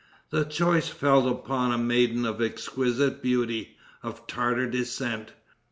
The choice fell upon a maiden of exquisite beauty, of Tartar descent.